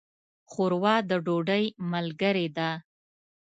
ښوروا د ډوډۍ ملګرې ده.